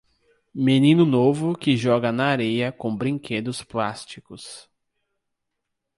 Menino novo que joga na areia com brinquedos plásticos.